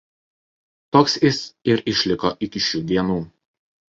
Toks jis ir išliko iki šių dienų.